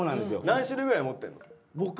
何種類ぐらい持ってるの？